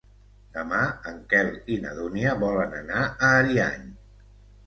Demà en Quel i na Dúnia volen anar a Ariany.